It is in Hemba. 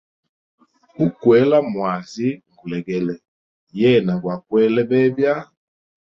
Ukwela mwazi ngulegele, yena gwa kwele bebya.